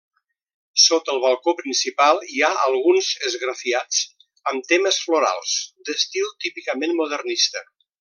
Sota el balcó principal hi ha alguns esgrafiats amb temes florals, d'estil típicament modernista.